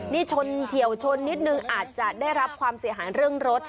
นี่ชนเฉียวชนนิดนึงอาจจะได้รับความเสียหายเรื่องรถ